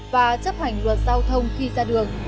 và chấp hành luật giao thông khi ra đường